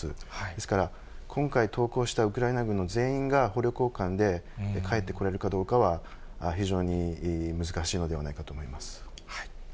ですから、今回投降したウクライナ軍の全員が、捕虜交換で帰ってこられるかどうかは、非常に難しいのではないかと思います。